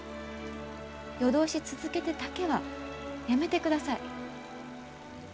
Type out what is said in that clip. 夜通し続けてだけはやめてください。